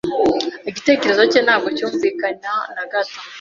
Igitekerezo cye ntabwo cyumvikana na gato.